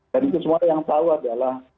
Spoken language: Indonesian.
dan itu semua yang tahu adalah